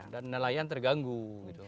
dan nelayan terganggu gitu